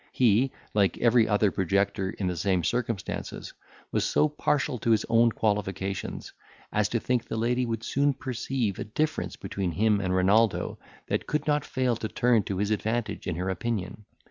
He, like every other projector in the same circumstances, was so partial to his own qualifications, as to think the lady would soon perceive a difference between him and Renaldo that could not fail to turn to his advantage in her opinion.